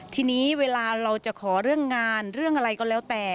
ทีนี้เวลาเราจะขอเรื่องงานเรื่องอะไรก็แล้วแต่